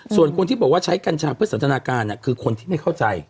ส่วนคนที่บอกว่าใช้กัญชาเพื่อสันทนาการคือคนที่ไม่เข้าใจ